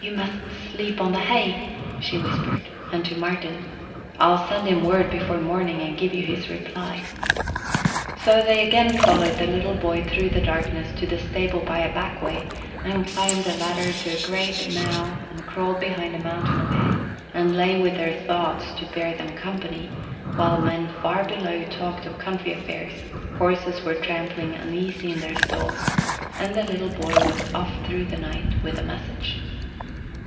"You must sleep on the hay," she whispered; and to Martin, "I'll send him word before morning and give you his reply." So they again followed the little boy through the darkness to the stable by a back way, and climbed a ladder to the great mow and crawled behind a mountain of hay, and lay with their thoughts to bear them company while men far below talked of country affairs, horses were trampling uneasily in their stalls, and the little boy was off through the night with a message.